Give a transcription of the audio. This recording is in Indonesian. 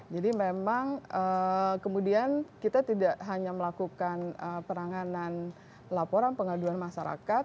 jadi memang kemudian kita tidak hanya melakukan peranganan laporan pengaduan masyarakat